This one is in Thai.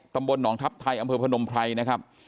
ตำบลหนองทัพไทยอำเภอพนมไพรนะครับ